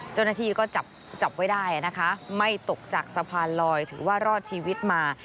เจ้าหน้าที่ก็จับไว้ได้นะคะไม่ตกจากสะพานลอยถือว่ารอดชีวิตมา